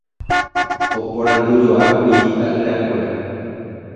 oporandujoákuri ita'yrakuéra